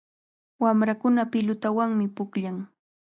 Wamrakuna pilutawanmi pukllan.